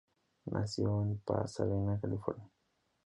Nació en Pasadena, California.